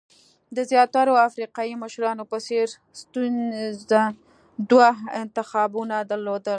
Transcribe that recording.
د زیاترو افریقایي مشرانو په څېر سټیونز دوه انتخابونه درلودل.